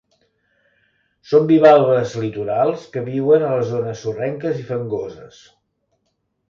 Són bivalves litorals que viuen a les zones sorrenques i fangoses.